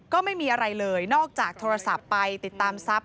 ก็ไม่มีอะไรเลยนอกจากโทรศัพท์ไปติดตามทรัพย